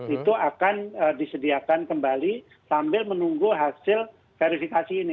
itu akan disediakan kembali sambil menunggu hasil verifikasi ini